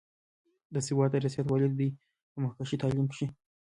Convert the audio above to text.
د سوات د رياست والي د دوي پۀ مخکښې تعليم کښې